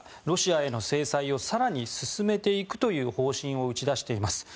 ロシアへの制裁を更に進めていくという方針を打ち出しています。